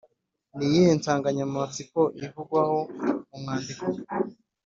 ni iyihe nsanganyamatsiko ivugwaho mu mwandiko?